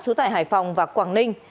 trú tại hải phòng và quảng ninh